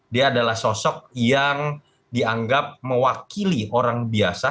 dia adalah sosok yang dianggap mewakili orang biasa